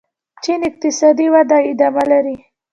چین اقتصادي وده ادامه لري.